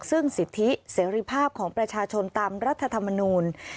ซึ่งสิทธิเสรีภาพของประชาชนตามรัฐธรรมนูล